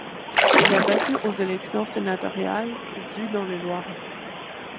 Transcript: Il est battu aux élections sénatoriales du dans le Loiret.